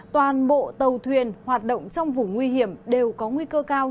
toàn bộ tàu thuyền hoạt động trong vùng nguy hiểm đều có nguy cơ cao